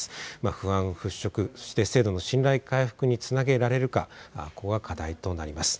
不安払拭、そして制度の信頼回復につなげられるかがここが課題となります。